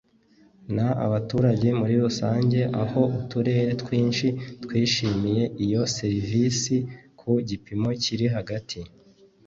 n abaturage muri rusange aho uturere twinshi twishimiye iyo serivisi ku gipimo kiri hagati